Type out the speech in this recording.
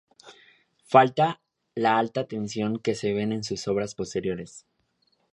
Falta la alta tensión que se ve en sus obras posteriores.